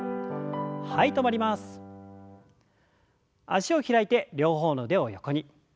脚を開いて両方の腕を横に。